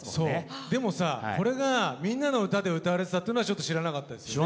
でもさこれが「みんなのうた」で歌われてたっていうのはちょっと知らなかったですよね。